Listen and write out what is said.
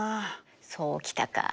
そうきたか。